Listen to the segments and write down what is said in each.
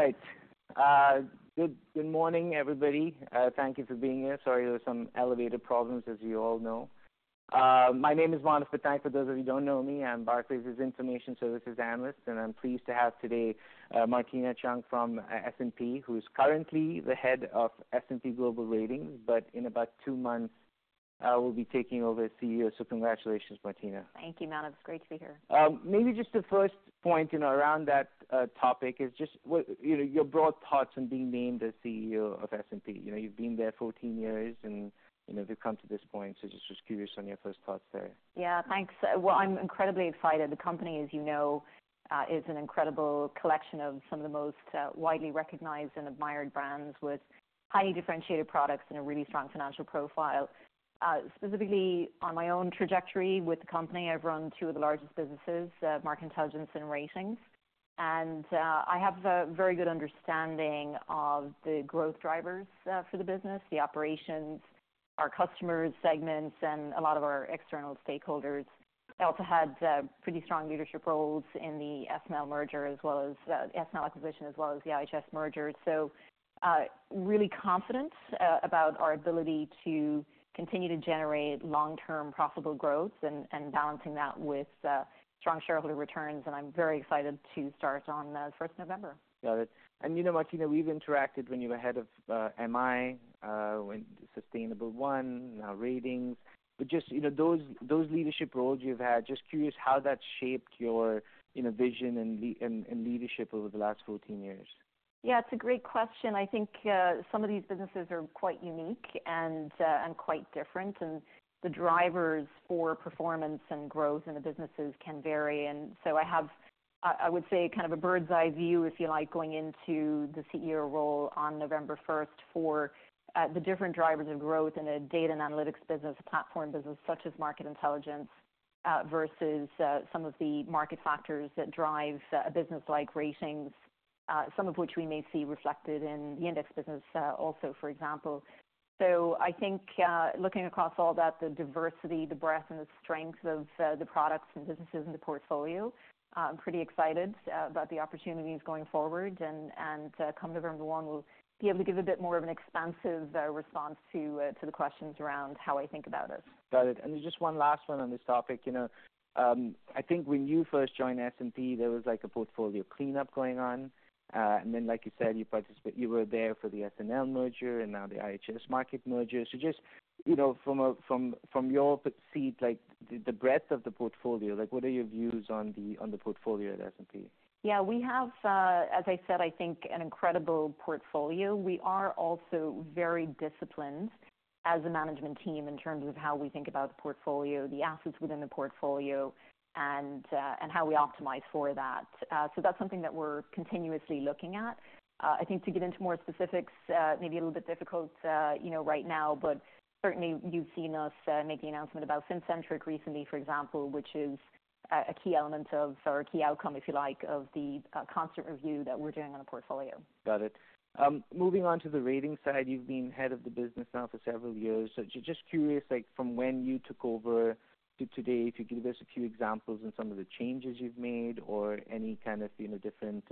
All right. Good morning, everybody. Thank you for being here. Sorry, there were some elevator problems, as you all know. My name is Manav Patnaik, for those of you who don't know me. I'm Barclays' Information Services analyst, and I'm pleased to have today Martina Cheung from S&P, who is currently the head of S&P Global Ratings, but in about two months will be taking over as CEO. So congratulations, Martina. Thank you, Manav. It's great to be here. Maybe just the first point, you know, around that topic is just what, you know, your broad thoughts on being named as CEO of S&P. You know, you've been there fourteen years, and, you know, you've come to this point, so just was curious on your first thoughts there. Yeah, thanks. Well, I'm incredibly excited. The company, as you know, is an incredible collection of some of the most, widely recognized and admired brands, with highly differentiated products and a really strong financial profile. Specifically, on my own trajectory with the company, I've run two of the largest businesses, Market Intelligence and Ratings, and I have a very good understanding of the growth drivers, for the business, the operations, our customers, segments, and a lot of our external stakeholders. I also had, pretty strong leadership roles in the SNL merger, as well as, S&P acquisition, as well as the IHS merger. So, really confident about our ability to continue to generate long-term profitable growth and balancing that with, strong shareholder returns, and I'm very excited to start on, first November. Got it, and, you know, Martina, we've interacted when you were head of MI, when Sustainable1, now Ratings, but just, you know, those leadership roles you've had, just curious how that shaped your, you know, vision and leadership over the last 14 years? Yeah, it's a great question. I think, some of these businesses are quite unique and quite different, and the drivers for performance and growth in the businesses can vary. And so I have, I would say, kind of a bird's-eye view, if you like, going into the CEO role on November first, for the different drivers of growth in a data and analytics business, a platform business such as market intelligence, versus some of the market factors that drive a business like ratings, some of which we may see reflected in the index business, also, for example. So I think, looking across all that, the diversity, the breadth and the strength of the products and businesses in the portfolio, I'm pretty excited about the opportunities going forward. Come November one, we'll be able to give a bit more of an expansive response to the questions around how I think about this. Got it. And just one last one on this topic, you know, I think when you first joined S&P, there was, like, a portfolio cleanup going on. And then, like you said, you were there for the SNL merger and now the IHS Markit merger. So just, you know, from your seat, like, the breadth of the portfolio, like, what are your views on the portfolio at S&P? Yeah, we have, as I said, I think, an incredible portfolio. We are also very disciplined as a management team in terms of how we think about the portfolio, the assets within the portfolio, and how we optimize for that. So that's something that we're continuously looking at. I think to get into more specifics may be a little bit difficult, you know, right now, but certainly you've seen us make the announcement about Fincentric recently, for example, which is a key element of, or a key outcome, if you like, of the constant review that we're doing on the portfolio. Got it. Moving on to the ratings side, you've been head of the business now for several years. So just curious, like, from when you took over to today, if you could give us a few examples on some of the changes you've made or any kind of, you know, different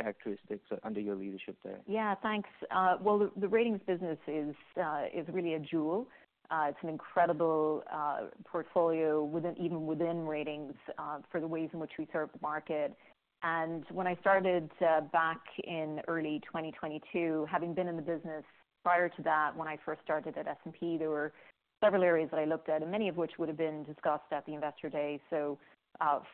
characteristics under your leadership there. Yeah, thanks. Well, the ratings business is really a jewel. It's an incredible portfolio within, even within ratings, for the ways in which we serve the market. And when I started back in early 2022, having been in the business prior to that, when I first started at S&P, there were several areas that I looked at, and many of which would have been discussed at the Investor Day. So,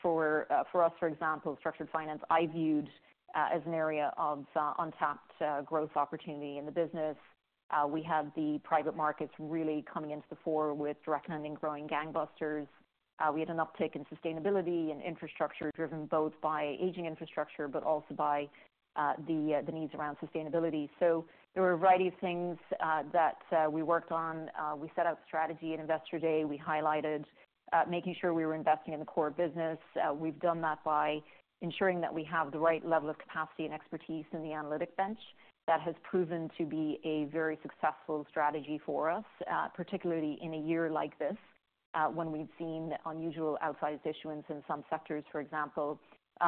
for us, for example, structured finance, I viewed as an area of untapped growth opportunity in the business. We had the private markets really coming to the fore with direct lending growing gangbusters. We had an uptick in sustainability and infrastructure, driven both by aging infrastructure, but also by the needs around sustainability. There were a variety of things that we worked on. We set out strategy at Investor Day. We highlighted making sure we were investing in the core business. We've done that by ensuring that we have the right level of capacity and expertise in the analytic bench. That has proven to be a very successful strategy for us, particularly in a year like this, when we've seen unusual outsized issuance in some sectors, for example.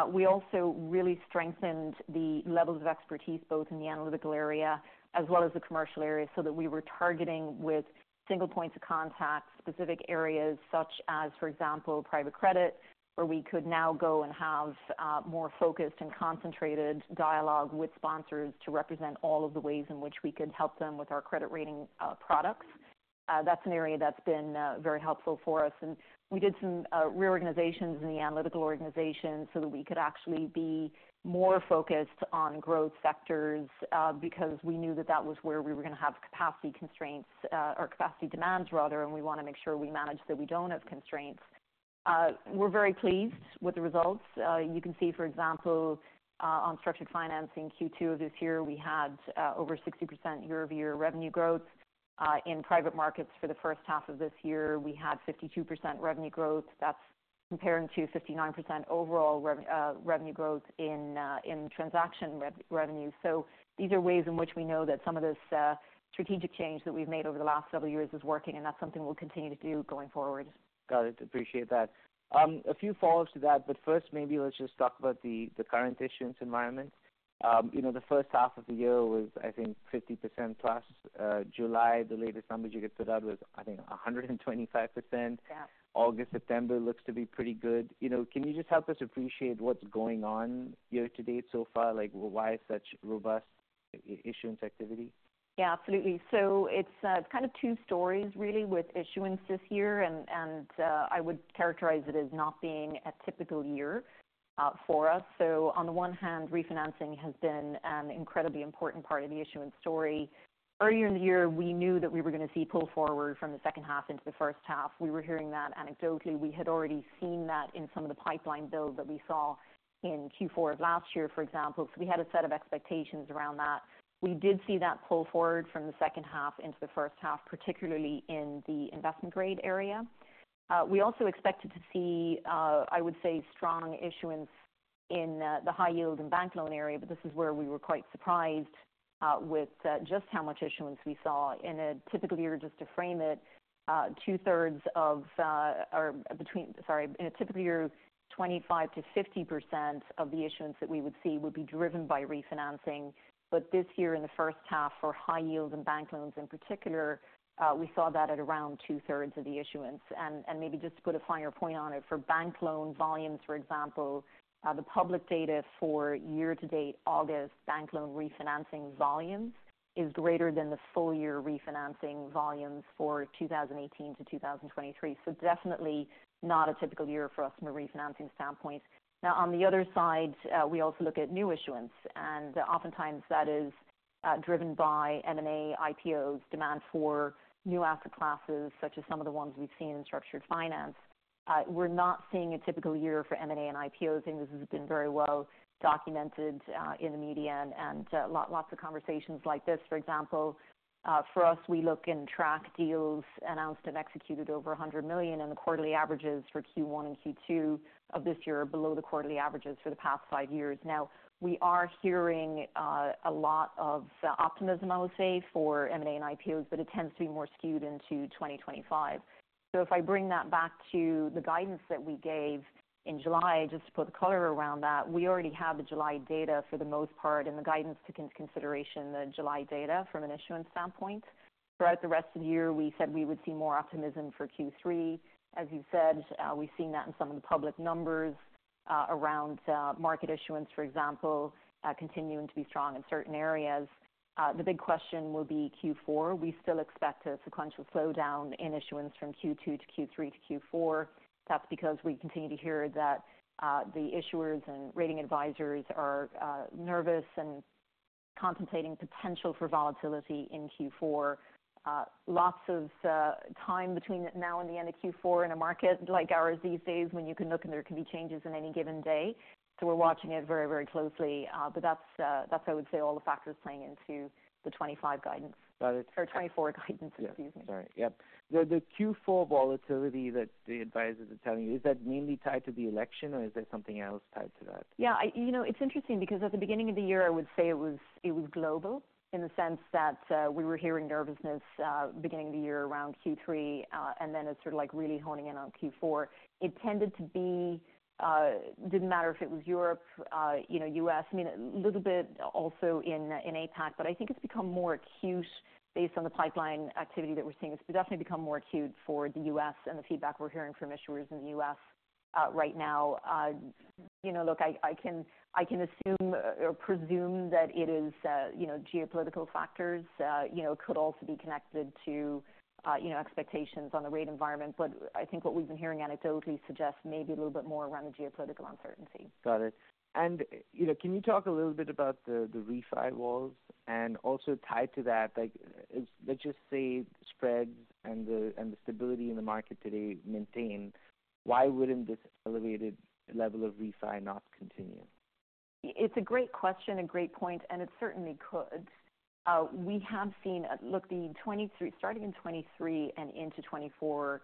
We also really strengthened the levels of expertise, both in the analytical area as well as the commercial area, so that we were targeting with single points of contact, specific areas such as, for example, private credit, where we could now go and have, more focused and concentrated dialogue with sponsors to represent all of the ways in which we could help them with our credit rating, products. That's an area that's been very helpful for us. And we did some, reorganizations in the analytical organization so that we could actually be more focused on growth sectors, because we knew that that was where we were going to have capacity constraints, or capacity demands rather, and we want to make sure we manage that we don't have constraints. We're very pleased with the results. You can see, for example, on structured financing, Q2 of this year, we had over 60% year-over-year revenue growth. In private markets for the first half of this year, we had 52% revenue growth. That's comparing to 59% overall revenue growth in transaction revenue. So these are ways in which we know that some of this strategic change that we've made over the last several years is working, and that's something we'll continue to do going forward. Got it. Appreciate that. A few follow-ups to that, but first, maybe let's just talk about the current issuance environment. You know, the first half of the year was, I think, 50% plus. July, the latest numbers you could put out was, I think, 125%. Yeah. August, September looks to be pretty good. You know, can you just help us appreciate what's going on year to date so far? Like, why such robust issuance activity? Yeah, absolutely. So it's kind of two stories really with issuance this year, and I would characterize it as not being a typical year for us. So on the one hand, refinancing has been an incredibly important part of the issuance story. Earlier in the year, we knew that we were gonna see pull forward from the second half into the first half. We were hearing that anecdotally. We had already seen that in some of the pipeline build that we saw in Q4 of last year, for example. So we had a set of expectations around that. We did see that pull forward from the second half into the first half, particularly in the investment grade area. We also expected to see, I would say, strong issuance in the high yield and bank loan area, but this is where we were quite surprised with just how much issuance we saw. In a typical year, just to frame it, 25% to 50% of the issuance that we would see would be driven by refinancing. But this year, in the first half, for high yield and bank loans in particular, we saw that at around two-thirds of the issuance. And maybe just to put a finer point on it, for bank loan volumes, for example, the public data for year to date, August bank loan refinancing volumes is greater than the full year refinancing volumes for 2018 to 2023. So definitely not a typical year for us from a refinancing standpoint. Now, on the other side, we also look at new issuance, and oftentimes that is driven by M&A, IPOs, demand for new asset classes, such as some of the ones we've seen in structured finance. We're not seeing a typical year for M&A and IPOs. I think this has been very well documented in the media and lots of conversations like this. For example, for us, we look and track deals announced and executed over $100 million, and the quarterly averages for Q1 and Q2 of this year are below the quarterly averages for the past five years. Now, we are hearing a lot of optimism, I would say, for M&A and IPOs, but it tends to be more skewed into twenty twenty-five. So if I bring that back to the guidance that we gave in July, just to put the color around that, we already have the July data for the most part, and the guidance took into consideration the July data from an issuance standpoint. Throughout the rest of the year, we said we would see more optimism for Q3. As you said, we've seen that in some of the public numbers around market issuance, for example, continuing to be strong in certain areas. The big question will be Q4. We still expect a sequential slowdown in issuance from Q2 to Q3 to Q4. That's because we continue to hear that the issuers and rating advisors are nervous and contemplating potential for volatility in Q4. Lots of time between now and the end of Q4 in a market like ours these days, when you can look and there can be changes in any given day. So we're watching it very, very closely, but that's I would say all the factors playing into the twenty-five guidance. Got it. Our 2024 guidance, excuse me. Sorry. Yep. The Q4 volatility that the advisors are telling you, is that mainly tied to the election, or is there something else tied to that? Yeah. You know, it's interesting because at the beginning of the year, I would say it was, it was global, in the sense that, we were hearing nervousness, beginning of the year around Q3, and then it sort of like really honing in on Q4. It tended to be, didn't matter if it was Europe, you know, US, I mean, a little bit also in, in APAC, but I think it's become more acute based on the pipeline activity that we're seeing. It's definitely become more acute for the US and the feedback we're hearing from issuers in the US, right now. You know, look, I can assume or presume that it is, you know, geopolitical factors, you know, could also be connected to, you know, expectations on the rate environment. But I think what we've been hearing anecdotally suggests maybe a little bit more around the geopolitical uncertainty. Got it. And, you know, can you talk a little bit about the refi walls? And also tied to that, like, let's just say spreads and the stability in the market today maintain, why wouldn't this elevated level of refi not continue? It's a great question, a great point, and it certainly could. We have seen, look, the 2023 starting in 2023 and into 2024,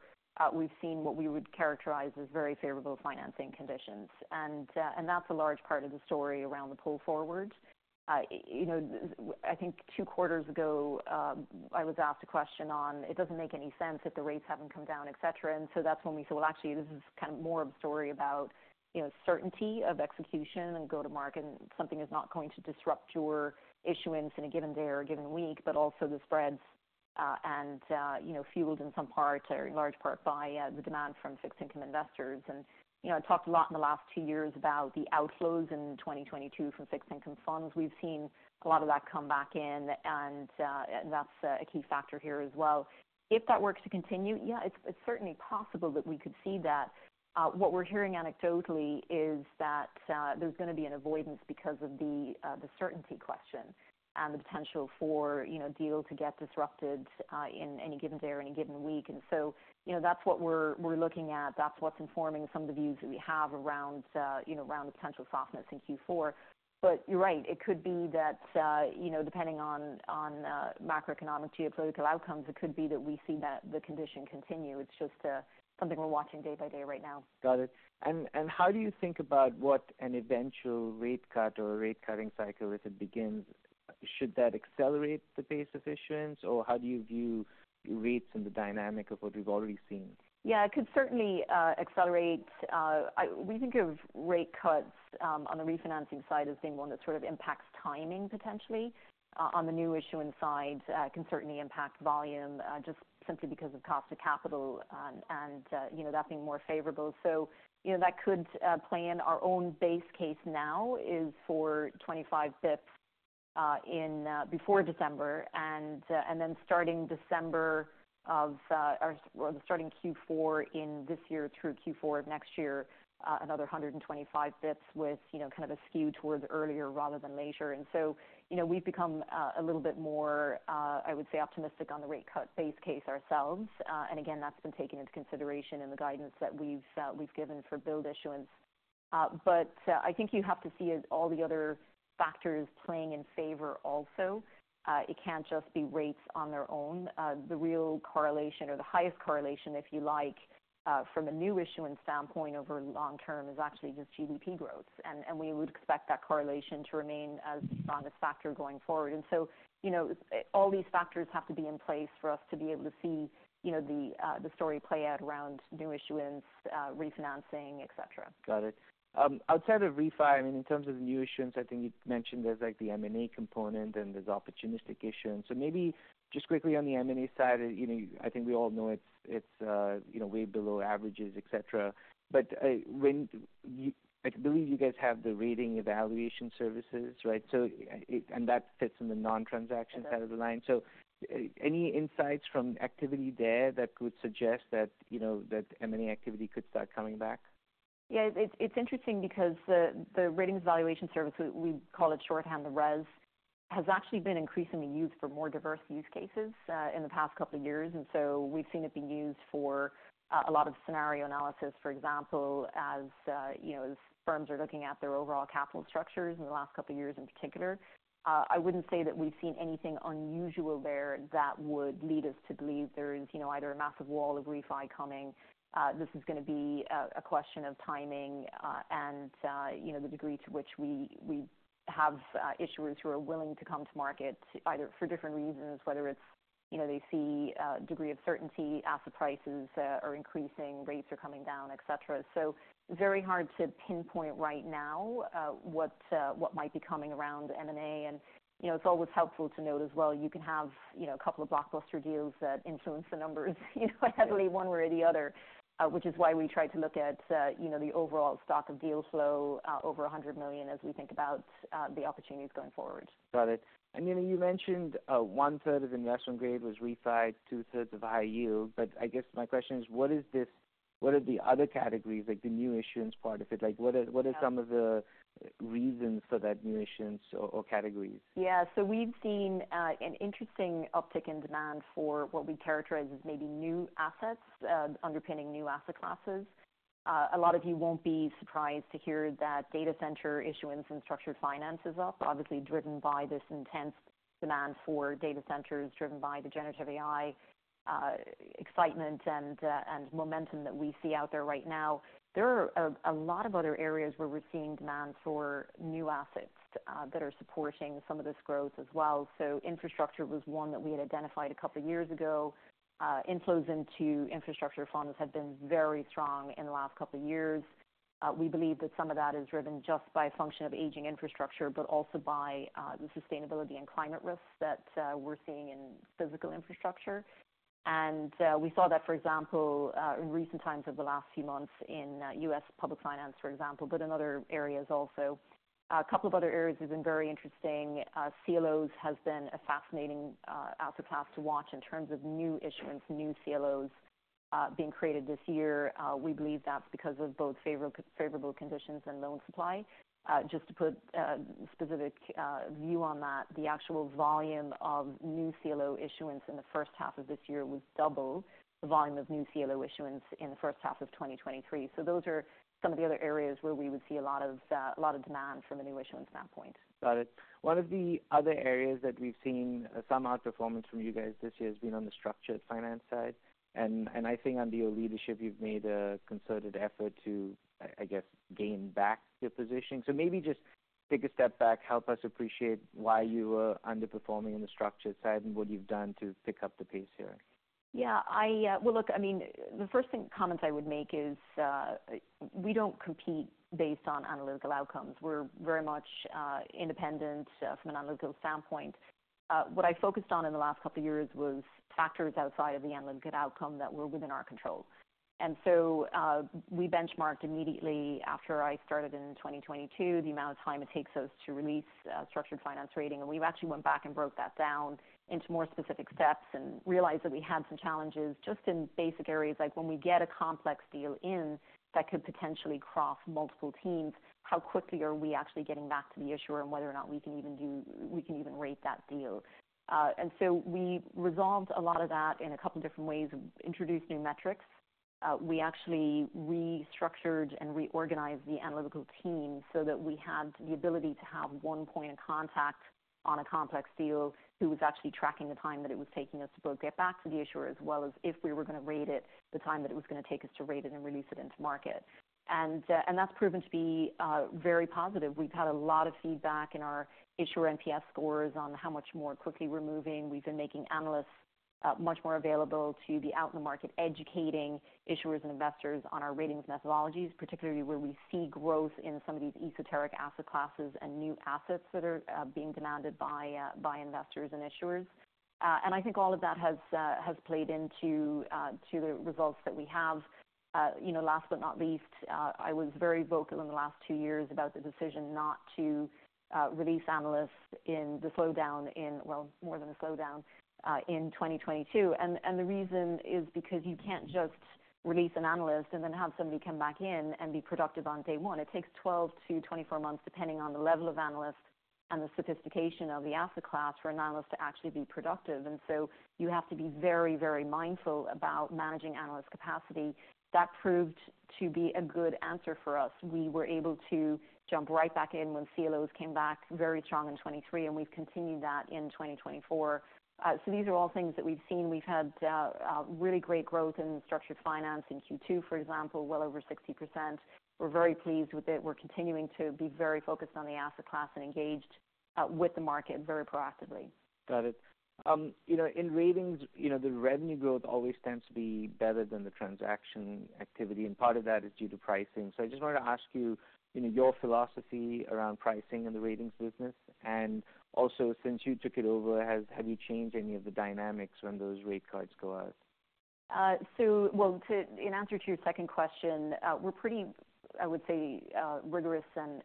we've seen what we would characterize as very favorable financing conditions, and that's a large part of the story around the pull forward. You know, I think two quarters ago, I was asked a question on, it doesn't make any sense if the rates haven't come down, et cetera. And so that's when we said, "Well, actually, this is kind of more of a story about, you know, certainty of execution and go to market, and something is not going to disrupt your issuance in a given day or a given week," but also the spreads, and you know, fueled in some part or in large part by the demand from fixed income investors. You know, I talked a lot in the last two years about the outflows in 2022 from fixed income funds. We've seen a lot of that come back in, and that's a key factor here as well. If that were to continue, yeah, it's certainly possible that we could see that. What we're hearing anecdotally is that there's gonna be an avoidance because of the certainty question and the potential for, you know, deals to get disrupted in any given day or any given week. And so, you know, that's what we're looking at. That's what's informing some of the views that we have around, you know, around the potential softness in Q4. But you're right, it could be that, you know, depending on macroeconomic, geopolitical outcomes, it could be that we see that the condition continue. It's just something we're watching day by day right now. Got it. How do you think about what an eventual rate cut or a rate cutting cycle, if it begins? Should that accelerate the pace of issuance, or how do you view rates and the dynamic of what we've already seen? Yeah, it could certainly accelerate. We think of rate cuts on the refinancing side as being one that sort of impacts timing, potentially. On the new issuance side, can certainly impact volume just simply because of cost of capital and you know, that being more favorable. So, you know, that could play in. Our own base case now is for 25 basis points in before December, and then starting Q4 in this year through Q4 of next year another 125 basis points with you know, kind of a skew towards earlier rather than later. So, you know, we've become a little bit more, I would say, optimistic on the rate cut base case ourselves. And again, that's been taken into consideration in the guidance that we've given for bond issuance. But I think you have to see, as all the other factors playing in favor also. It can't just be rates on their own. The real correlation, or the highest correlation, if you like, from a new issuance standpoint over long term, is actually just GDP growth. And we would expect that correlation to remain as strong a factor going forward. And so, you know, all these factors have to be in place for us to be able to see, you know, the story play out around new issuance, refinancing, et cetera. Got it. Outside of refi, I mean, in terms of new issuance, I think you've mentioned there's, like, the M&A component and there's opportunistic issuance. So maybe just quickly on the M&A side, you know, I think we all know it's you know, way below averages, et cetera. But, I believe you guys have the Ratings Evaluation Service, right? So, and that fits in the non-transaction side of the line. So any insights from activity there that could suggest that, you know, that M&A activity could start coming back? Yeah. It's interesting because the Ratings Evaluation Service, we call it shorthand, the RES, has actually been increasingly used for more diverse use cases in the past couple of years. And so we've seen it being used for a lot of scenario analysis, for example, as you know, as firms are looking at their overall capital structures in the last couple of years in particular. I wouldn't say that we've seen anything unusual there that would lead us to believe there is, you know, either a massive wall of refi coming. This is gonna be a question of timing and, you know, the degree to which we have issuers who are willing to come to market either... for different reasons, whether it's, you know, they see a degree of certainty, asset prices, are increasing, rates are coming down, et cetera. So very hard to pinpoint right now, what, what might be coming around M&A. And, you know, it's always helpful to note as well, you can have, you know, a couple of blockbuster deals that influence the numbers, you know, heavily one way or the other. Which is why we try to look at, you know, the overall stock of deal flow, over a hundred million as we think about, the opportunities going forward. Got it. I mean, you mentioned one third of investment grade was refi, two thirds of high yield. But I guess my question is: what are the other categories, like, the new issuance part of it? Like, what are some of the reasons for that new issuance or categories? Yeah. So we've seen an interesting uptick in demand for what we characterize as maybe new assets underpinning new asset classes. A lot of you won't be surprised to hear that data center issuance and structured finance is up, obviously driven by this intense demand for data centers, driven by the generative AI excitement and momentum that we see out there right now. There are a lot of other areas where we're seeing demand for new assets that are supporting some of this growth as well. So infrastructure was one that we had identified a couple of years ago. Inflows into infrastructure funds have been very strong in the last couple of years. We believe that some of that is driven just by function of aging infrastructure, but also by the sustainability and climate risks that we're seeing in physical infrastructure. And we saw that, for example, in recent times over the last few months in U.S. public finance, for example, but in other areas also. A couple of other areas has been very interesting. CLOs has been a fascinating asset class to watch in terms of new issuance, new CLOs being created this year. We believe that's because of both favorable conditions and loan supply. Just to put a specific view on that, the actual volume of new CLO issuance in the first half of this year was double the volume of new CLO issuance in the first half of 2023. So those are some of the other areas where we would see a lot of demand from a new issuance standpoint. Got it. One of the other areas that we've seen some outperformance from you guys this year has been on the structured finance side. And I think under your leadership, you've made a concerted effort to, I guess, gain back your position. So maybe just take a step back, help us appreciate why you were underperforming in the structured side and what you've done to pick up the pace here. Yeah, I Well, look, I mean, the first thing, comments I would make is, we don't compete based on analytical outcomes. We're very much, independent, from an analytical standpoint. What I focused on in the last couple of years was factors outside of the analytical outcome that were within our control. And so, we benchmarked immediately after I started in 2022, the amount of time it takes us to release a structured finance rating. And we've actually went back and broke that down into more specific steps and realized that we had some challenges just in basic areas, like when we get a complex deal in that could potentially cross multiple teams, how quickly are we actually getting back to the issuer and whether or not we can even rate that deal? And so we resolved a lot of that in a couple different ways, introduced new metrics. We actually restructured and reorganized the analytical team so that we had the ability to have one point of contact on a complex deal, who was actually tracking the time that it was taking us to both get back to the issuer, as well as if we were gonna rate it, the time that it was gonna take us to rate it and release it into market. And that's proven to be very positive. We've had a lot of feedback in our issuer NPS scores on how much more quickly we're moving. We've been making analysts. Much more available to be out in the market, educating issuers and investors on our ratings methodologies, particularly where we see growth in some of these esoteric asset classes and new assets that are being demanded by investors and issuers. And I think all of that has played into the results that we have. You know, last but not least, I was very vocal in the last two years about the decision not to release analysts in the slowdown. Well, more than the slowdown, in 2022. And the reason is because you can't just release an analyst and then have somebody come back in and be productive on day one. It takes twelve to twenty-four months, depending on the level of analyst and the sophistication of the asset class, for an analyst to actually be productive, and so you have to be very, very mindful about managing analyst capacity. That proved to be a good answer for us. We were able to jump right back in when CLOs came back very strong in 2023, and we've continued that in 2024, so these are all things that we've seen. We've had really great growth in structured finance in Q2, for example, well over 60%. We're very pleased with it. We're continuing to be very focused on the asset class and engaged with the market very proactively. Got it. You know, in ratings, you know, the revenue growth always tends to be better than the transaction activity, and part of that is due to pricing. So I just wanted to ask you, you know, your philosophy around pricing in the ratings business, and also since you took it over, have you changed any of the dynamics when those rate cards go out? In answer to your second question, we're pretty, I would say, rigorous and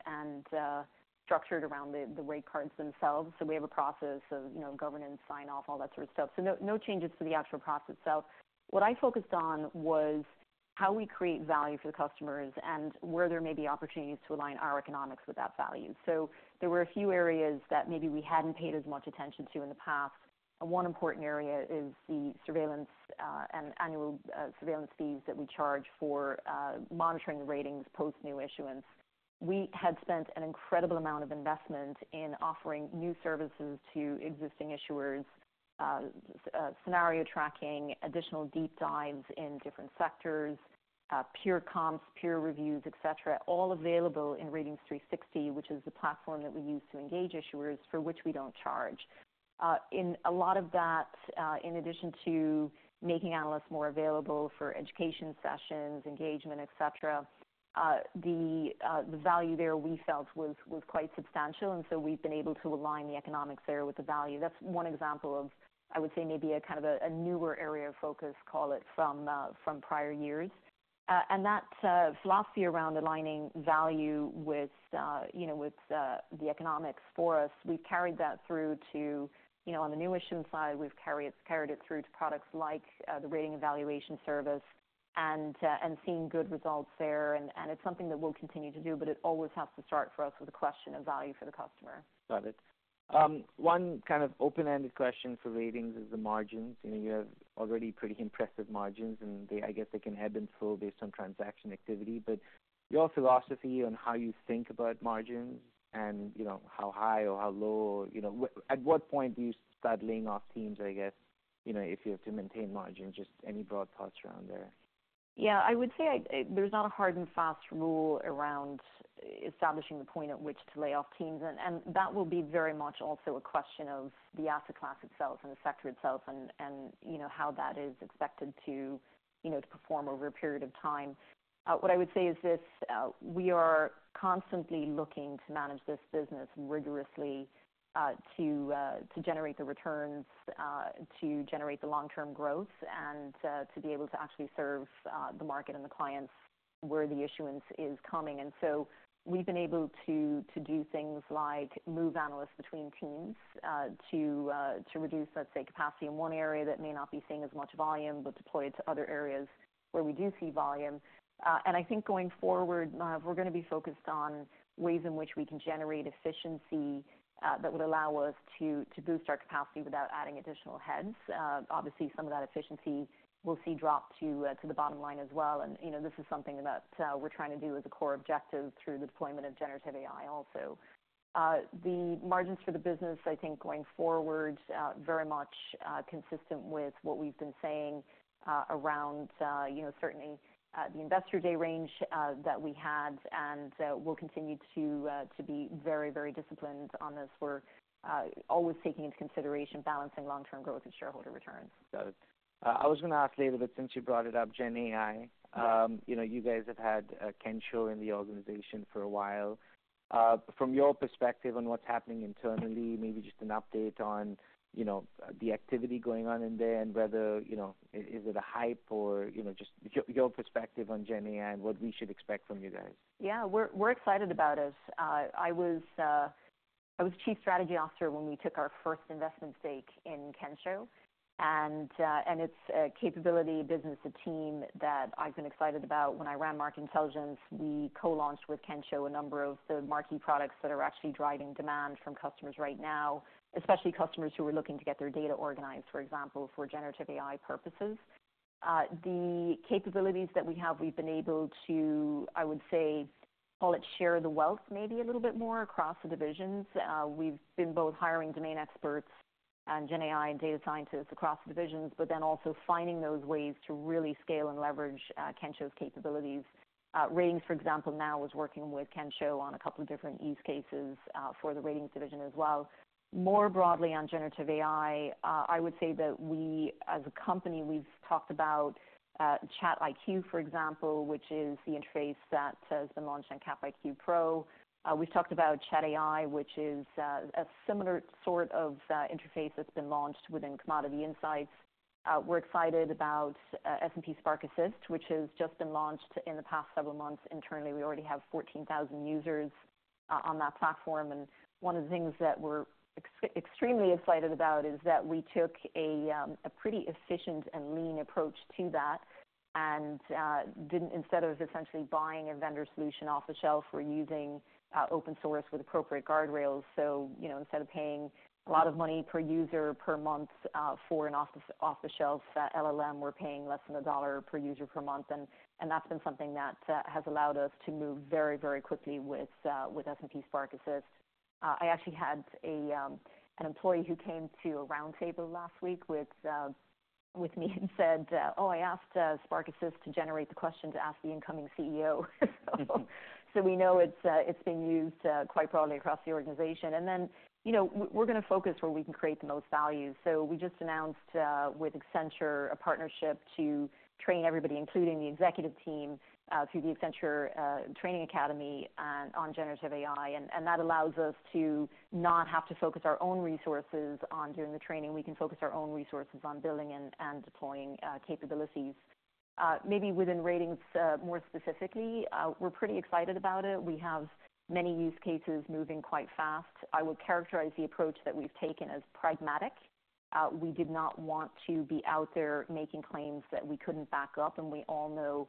structured around the rate cards themselves. So we have a process of, you know, governance, sign off, all that sort of stuff. So no changes to the actual process itself. What I focused on was how we create value for the customers and where there may be opportunities to align our economics with that value. So there were a few areas that maybe we hadn't paid as much attention to in the past. One important area is the surveillance and annual surveillance fees that we charge for monitoring the ratings post new issuance. We had spent an incredible amount of investment in offering new services to existing issuers, scenario tracking, additional deep dives in different sectors, peer comps, peer reviews, et cetera, all available in Ratings360, which is the platform that we use to engage issuers for which we don't charge. In a lot of that, in addition to making analysts more available for education sessions, engagement, et cetera, the value there, we felt was quite substantial, and so we've been able to align the economics there with the value. That's one example of, I would say, maybe a kind of a newer area of focus, call it, from prior years. And that philosophy around aligning value with, you know, with the economics for us, we carried that through to. You know, on the new issue side, we've carried it through to products like the Ratings Evaluation Service and seen good results there. And it's something that we'll continue to do, but it always has to start for us with a question of value for the customer. Got it. One kind of open-ended question for ratings is the margins. You know, you have already pretty impressive margins, and they, I guess, they can ebb and flow based on transaction activity. But your philosophy on how you think about margins and, you know, how high or how low, you know, at what point do you start laying off teams, I guess, you know, if you have to maintain margins? Just any broad thoughts around there. Yeah, I would say, there's not a hard and fast rule around establishing the point at which to lay off teams. That will be very much also a question of the asset class itself and the sector itself and you know, how that is expected to you know, to perform over a period of time. What I would say is this, we are constantly looking to manage this business rigorously to generate the returns to generate the long-term growth, and to be able to actually serve the market and the clients where the issuance is coming. And so we've been able to do things like move analysts between teams, to reduce, let's say, capacity in one area that may not be seeing as much volume, but deploy it to other areas where we do see volume. And I think going forward, we're gonna be focused on ways in which we can generate efficiency, that would allow us to boost our capacity without adding additional heads. Obviously, some of that efficiency we'll see drop to the bottom line as well. And, you know, this is something that we're trying to do as a core objective through the deployment of generative AI also. The margins for the business, I think going forward, very much consistent with what we've been saying around, you know, certainly the Investor Day range that we had, and we'll continue to be very, very disciplined on this. We're always taking into consideration balancing long-term growth and shareholder returns. Got it. I was gonna ask later, but since you brought it up, GenAI. Yeah. You know, you guys have had Kensho in the organization for a while. From your perspective on what's happening internally, maybe just an update on, you know, the activity going on in there and whether, you know, is it a hype? Or, you know, just your perspective on GenAI and what we should expect from you guys. Yeah, we're excited about this. I was chief strategy officer when we took our first investment stake in Kensho, and its capability, business, the team that I've been excited about. When I ran Market Intelligence, we co-launched with Kensho a number of the marquee products that are actually driving demand from customers right now, especially customers who are looking to get their data organized, for example, for generative AI purposes. The capabilities that we have, we've been able to. I would say, call it share the wealth, maybe a little bit more across the divisions. We've been both hiring domain experts and GenAI and data scientists across the divisions, but then also finding those ways to really scale and leverage Kensho's capabilities. Ratings, for example, now is working with Kensho on a couple of different use cases for the ratings division as well. More broadly on generative AI, I would say that we as a company, we've talked about ChatIQ, for example, which is the interface that has been launched on Capital IQ Pro. We've talked about ChatAI, which is a similar sort of interface that's been launched within Commodity Insights. We're excited about S&P Spark Assist, which has just been launched in the past several months. Internally, we already have 14,000 users on that platform, and one of the things that we're extremely excited about is that we took a pretty efficient and lean approach to that, and didn't. Instead of essentially buying a vendor solution off the shelf, we're using open source with appropriate guardrails. So, you know, instead of paying a lot of money per user, per month for an off-the-shelf LLM, we're paying less than $1 per user per month, and that's been something that has allowed us to move very, very quickly with S&P Spark Assist. I actually had an employee who came to a roundtable last week with me and said, "Oh, I asked Spark Assist to generate the question to ask the incoming CEO." So we know it's being used quite broadly across the organization. And then, you know, we're gonna focus where we can create the most value. So we just announced with Accenture a partnership to train everybody, including the executive team, through the Accenture Training Academy on generative AI. And that allows us to not have to focus our own resources on doing the training. We can focus our own resources on building and deploying capabilities. Maybe within ratings, more specifically, we're pretty excited about it. We have many use cases moving quite fast. I would characterize the approach that we've taken as pragmatic. We did not want to be out there making claims that we couldn't back up, and we all know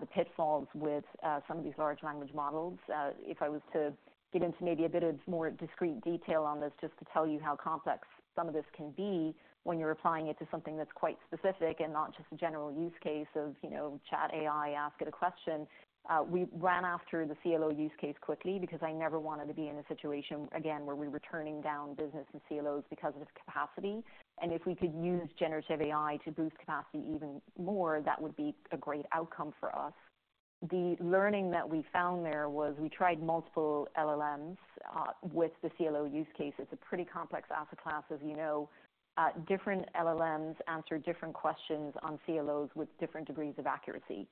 the pitfalls with some of these large language models. If I was to get into maybe a bit of more discrete detail on this, just to tell you how complex some of this can be when you're applying it to something that's quite specific and not just a general use case of, you know, chat AI, ask it a question. We ran after the CLO use case quickly, because I never wanted to be in a situation again, where we were turning down business and CLOs because of capacity, and if we could use generative AI to boost capacity even more, that would be a great outcome for us. The learning that we found there was, we tried multiple LLMs with the CLO use case. It's a pretty complex asset class, as you know. Different LLMs answer different questions on CLOs with different degrees of accuracy.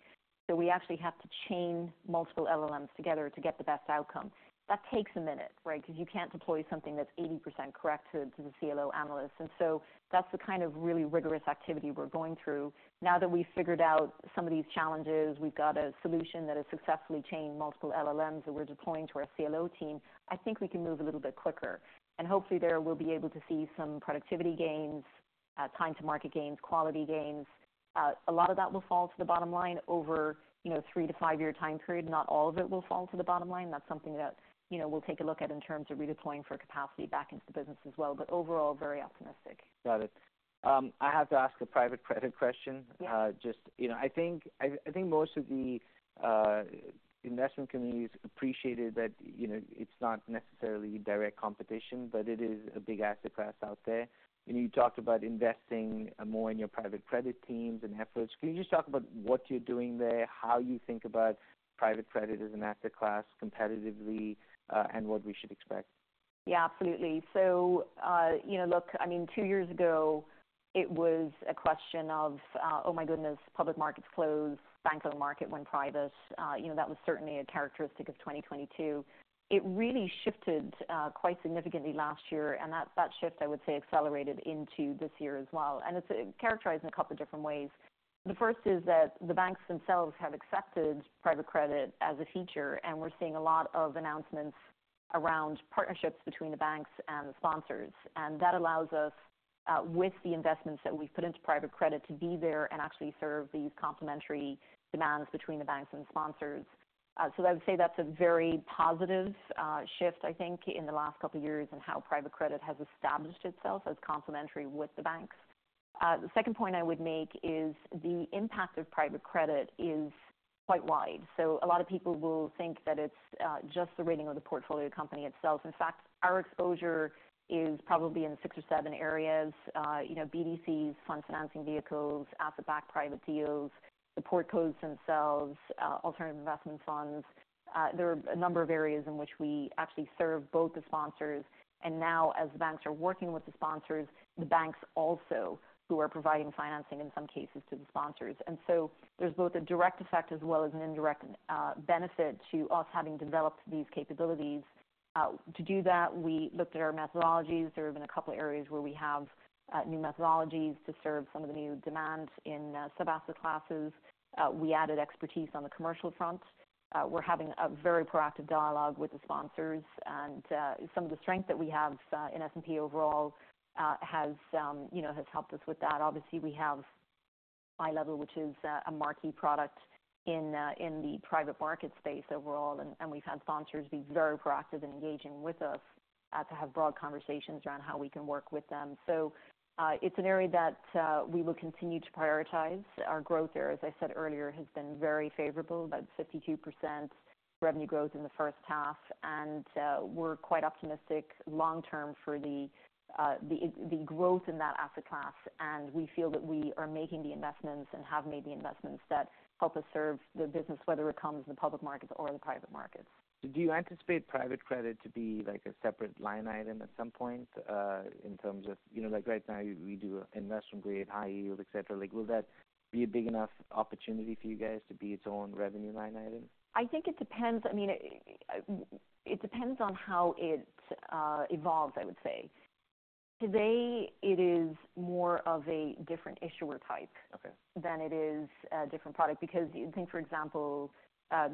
So we actually have to chain multiple LLMs together to get the best outcome. That takes a minute, right? Because you can't deploy something that's 80% correct to the CLO analyst, and so that's the kind of really rigorous activity we're going through. Now that we've figured out some of these challenges, we've got a solution that has successfully chained multiple LLMs, that we're deploying to our CLO team. I think we can move a little bit quicker, and hopefully there we'll be able to see some productivity gains, time to market gains, quality gains. A lot of that will fall to the bottom line over, you know, three- to five-year time period. Not all of it will fall to the bottom line. That's something that, you know, we'll take a look at in terms of redeploying for capacity back into the business as well, but overall, very optimistic. Got it. I have to ask a private credit question. Yeah. Just, you know, I think most of the investment communities appreciated that, you know, it's not necessarily direct competition, but it is a big asset class out there. And you talked about investing more in your private credit teams and efforts. Can you just talk about what you're doing there, how you think about private credit as an asset class competitively, and what we should expect? Yeah, absolutely. So, you know, look, I mean, two years ago it was a question of, "Oh, my goodness, public markets closed, bank on the market went private." You know, that was certainly a characteristic of twenty twenty-two. It really shifted, quite significantly last year, and that, that shift, I would say, accelerated into this year as well, and it's characterized in a couple of different ways. The first is that the banks themselves have accepted private credit as a feature, and we're seeing a lot of announcements around partnerships between the banks and the sponsors. And that allows us, with the investments that we've put into private credit, to be there and actually serve these complementary demands between the banks and sponsors. I would say that's a very positive shift, I think, in the last couple of years, and how private credit has established itself as complementary with the banks. The second point I would make is the impact of private credit is quite wide. A lot of people will think that it's just the rating of the portfolio company itself. In fact, our exposure is probably in six or seven areas. You know, BDCs, fund financing vehicles, asset-backed private deals, the portcos themselves, alternative investment funds. There are a number of areas in which we actually serve both the sponsors, and now, as the banks are working with the sponsors, the banks also, who are providing financing in some cases to the sponsors. And so there's both a direct effect as well as an indirect benefit to us having developed these capabilities. To do that, we looked at our methodologies. There have been a couple of areas where we have new methodologies to serve some of the new demands in sub-asset classes. We added expertise on the commercial front. We're having a very proactive dialogue with the sponsors, and some of the strength that we have in S&P overall has, you know, helped us with that. Obviously, we have iLevel, which is a marquee product in the private market space overall, and we've had sponsors be very proactive in engaging with us to have broad conversations around how we can work with them. So it's an area that we will continue to prioritize. Our growth there, as I said earlier, has been very favorable, about 52% revenue growth in the first half, and we're quite optimistic long term for the growth in that asset class. And we feel that we are making the investments and have made the investments that help us serve the business, whether it comes in the public markets or the private markets. Do you anticipate private credit to be like a separate line item at some point, in terms of, you know, like right now we do investment grade, high yield, et cetera. Like, will that be a big enough opportunity for you guys to be its own revenue line item? I think it depends. I mean, it depends on how it evolves, I would say. Today, it is more of a different issuer type- Okay Than it is a different product, because you think, for example,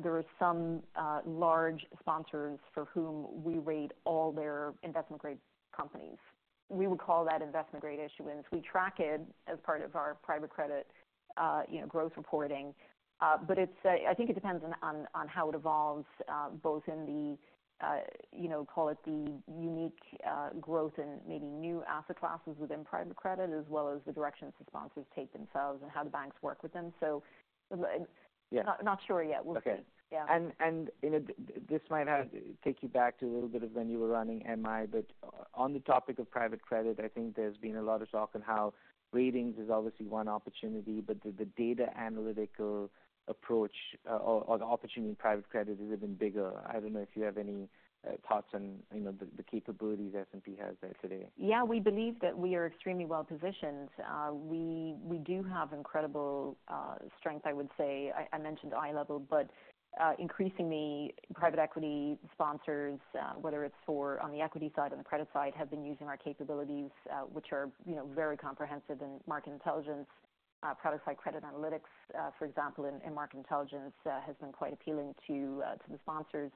there are some large sponsors for whom we rate all their investment grade companies. We would call that investment grade issuance. We track it as part of our private credit, you know, growth reporting. But it's a I think it depends on how it evolves, both in the, you know, call it the unique growth and maybe new asset classes within private credit, as well as the directions the sponsors take themselves and how the banks work with them. So- Yeah Not sure yet. Okay. Yeah. This might have taken you back to a little bit of when you were running MI, but on the topic of private credit, I think there's been a lot of talk on how ratings is obviously one opportunity, but the data analytical approach, or the opportunity in private credit is even bigger. I don't know if you have any thoughts on, you know, the capabilities S&P has there today. Yeah, we believe that we are extremely well positioned. We do have incredible strength, I would say. I mentioned iLevel, but increasingly, private equity sponsors, whether it's for on the equity side, on the credit side, have been using our capabilities, which are, you know, very comprehensive in market intelligence, product side, credit analytics, for example, and market intelligence has been quite appealing to the sponsors.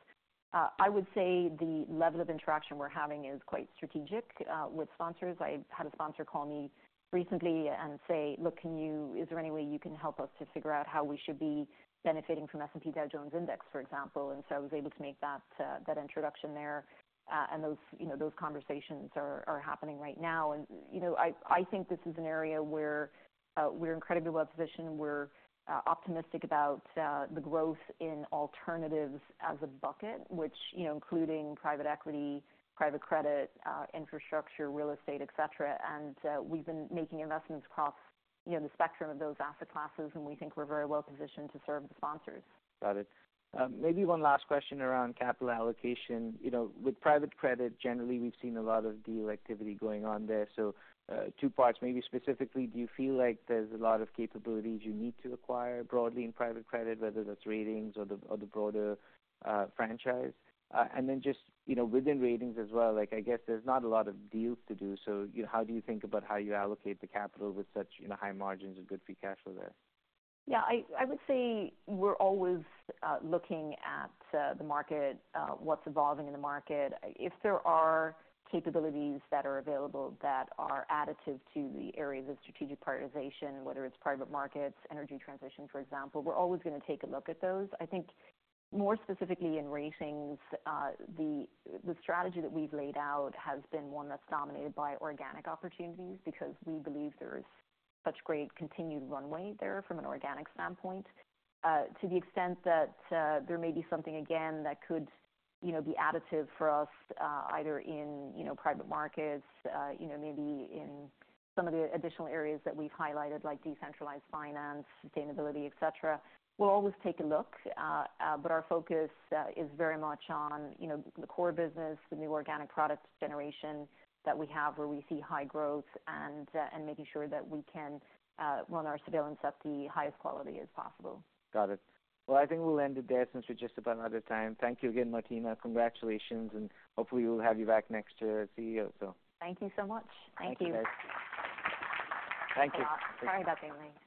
I would say the level of interaction we're having is quite strategic with sponsors. I had a sponsor call me recently and say: "Look, can you... Is there any way you can help us to figure out how we should be benefiting from S&P Dow Jones Index, for example?" And so I was able to make that introduction there, and those, you know, those conversations are happening right now. And, you know, I think this is an area where we're incredibly well positioned. We're optimistic about the growth in alternatives as a bucket, which, you know, including private equity, private credit, infrastructure, real estate, et cetera. And we've been making investments across, you know, the spectrum of those asset classes, and we think we're very well positioned to serve the sponsors. Got it. Maybe one last question around capital allocation. You know, with private credit, generally, we've seen a lot of deal activity going on there. So, two parts, maybe specifically, do you feel like there's a lot of capabilities you need to acquire broadly in private credit, whether that's ratings or the broader franchise? And then just, you know, within ratings as well, like, I guess there's not a lot of deals to do, so, you know, how do you think about how you allocate the capital with such, you know, high margins and good free cash flow there? Yeah, I would say we're always looking at the market, what's evolving in the market. If there are capabilities that are available that are additive to the areas of strategic prioritization, whether it's private markets, energy transition, for example, we're always going to take a look at those. I think more specifically in ratings, the strategy that we've laid out has been one that's dominated by organic opportunities because we believe there is such great continued runway there from an organic standpoint. To the extent that there may be something again, that could, you know, be additive for us, either in, you know, private markets, you know, maybe in some of the additional areas that we've highlighted, like decentralized finance, sustainability, et cetera. We'll always take a look, but our focus is very much on, you know, the core business, the new organic product generation that we have, where we see high growth and making sure that we can run our surveillance at the highest quality as possible. Got it. Well, I think we'll end it there since we're just about out of time. Thank you again, Martina. Congratulations, and hopefully we'll have you back next year as CEO, so. Thank you so much. Thank you. Thank you. Sorry about being late.